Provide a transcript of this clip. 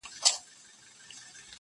زما دي علم په کار نه دی.!